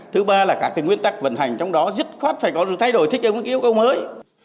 thứ ba là các cái nguyên tắc vận hành trong đó dứt khoát phải có được thay đổi thích yêu mới yêu cầu mới